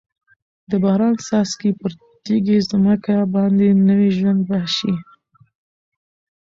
د باران څاڅکي پر تږې ځمکه باندې نوي ژوند پاشي.